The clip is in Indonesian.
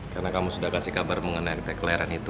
karena kamu sudah kasih kabar mengenai ritek layaran itu